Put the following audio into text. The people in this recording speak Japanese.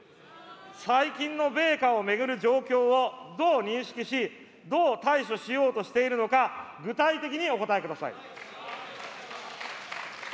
最近の米価を巡る状況をどう認識し、どう対処しようとしているのか、具体的にお答えください。